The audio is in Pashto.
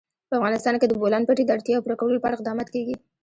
په افغانستان کې د د بولان پټي د اړتیاوو پوره کولو لپاره اقدامات کېږي.